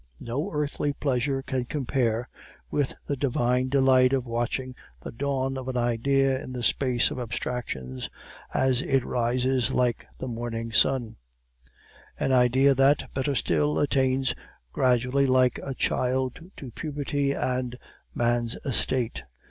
"No earthly pleasure can compare with the divine delight of watching the dawn of an idea in the space of abstractions as it rises like the morning sun; an idea that, better still, attains gradually like a child to puberty and man's estate.